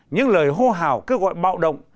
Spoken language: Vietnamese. những lời hô hào kêu gọi bạo động